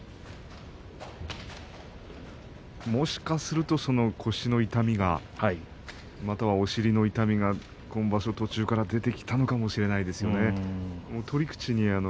もしかすると腰の痛みがまたはお尻の痛みが途中から出てきたのかもしれません。